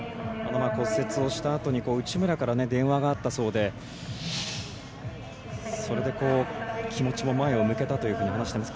骨折をしたあとに内村から電話があったそうでそれで、気持ちを前を向けたと話してます。